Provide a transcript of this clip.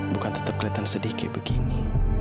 bukan tetap kelihatan sedih kayak begini